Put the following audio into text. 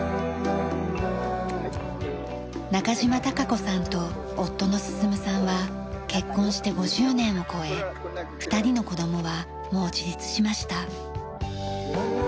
中島孝子さんと夫の進さんは結婚して５０年を超え２人の子供はもう自立しました。